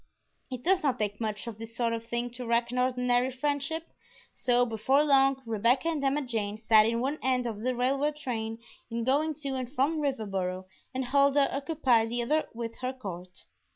It does not take much of this sort of thing to wreck an ordinary friendship, so before long Rebecca and Emma Jane sat in one end of the railway train in going to and from Riverboro, and Huldah occupied the other with her court.